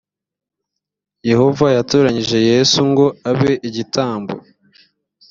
yehova yatoranyije yesu ngo abe igitambo